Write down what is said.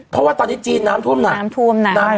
เพราะว่าตอนนี้จีนน้ำท่วมหนัก